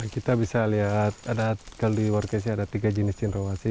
kita bisa lihat ada kalau di workesi ada tiga jenis cendrawasi